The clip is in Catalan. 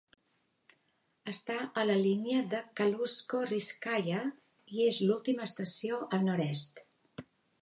Està a la línia de Kaluzhsko-Rizhskaya i és l'última estació al nord-est.